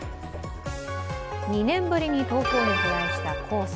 ２年ぶりに東京に飛来した黄砂。